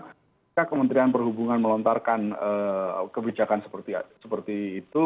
ketika kementerian perhubungan melontarkan kebijakan seperti itu